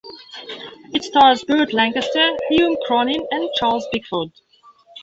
It stars Burt Lancaster, Hume Cronyn and Charles Bickford.